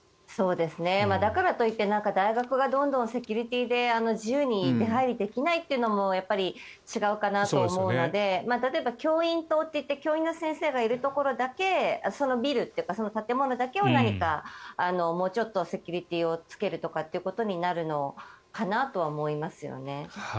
だからといって大学がどんどんセキュリティーで自由に出入りできないというのもやっぱり違うかなと思うので例えば教員棟と言って教員の先生がいるところだけそのビルというか建物だけを何かもうちょっとセキュリティーをつけるってことになるのかなとは思いますよね。